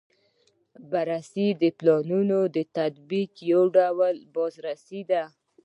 بررسي د پلانونو د تطبیق یو ډول بازرسي ده.